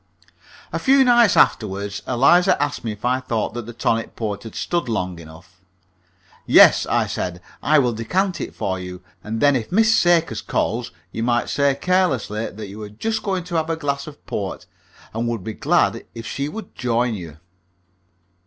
A few nights afterward, Eliza asked me if I thought that the tonic port had stood long enough. "Yes," I said; "I will decant it for you, and then if Miss Sakers calls you might say carelessly that you were just going to have a glass of port, and would be glad if she would join you."